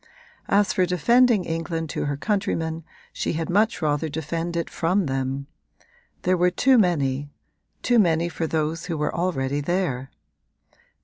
As for defending England to her countrymen she had much rather defend it from them: there were too many too many for those who were already there.